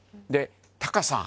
タカさん。